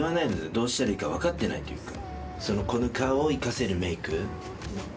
どうしたらいいかわかってないというか。